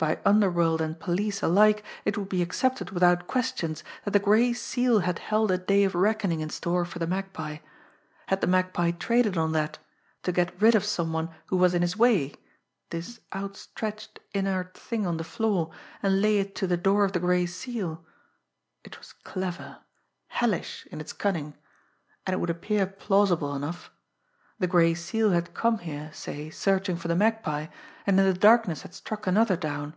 By underworld and police alike it would be accepted without questions that the Gray Seal had held a day of reckoning in store for the Magpie. Had the Magpie traded on that to get rid of some one who was in his way, this out stretched, inert thing on the floor, and lay it to the door of the Gray Seal? It was clever, hellish in its cunning. And it would appear plausible enough. The Gray Seal had come here, say, searching for the Magpie, and in the darkness had struck another down!